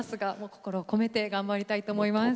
心を込めて頑張りたいと思います。